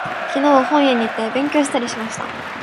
昨日は、本屋に行ったり、勉強したりしました。